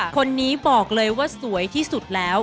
คนนี้บอกเลยว่าสวยที่สุดแล้ว